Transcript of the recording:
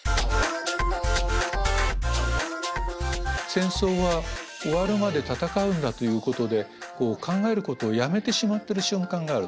戦争は終わるまで戦うんだということで考えることをやめてしまってる瞬間がある。